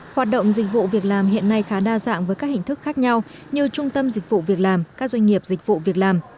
hoạt động dịch vụ việc làm hiện nay khá đa dạng với các hình thức khác nhau như trung tâm dịch vụ việc làm các doanh nghiệp dịch vụ việc làm